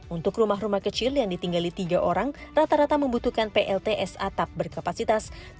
untuk rumah rumah kecil yang ditinggali tiga orang rata rata membutuhkan plts atap berkapasitas